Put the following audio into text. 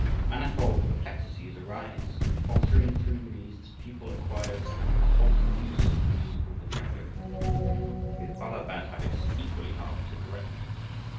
Manifold perplexities arise, and faltering through these the pupil acquires a halting use of the musical vocabulary, with other bad habits equally hard to correct.